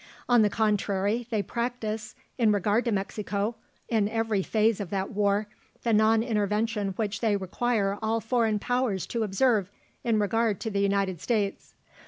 On the contrary, they practise, in regard to Mexico, in every phase of that war, the non intervention which they require all foreign powers to observe in regard to the United States.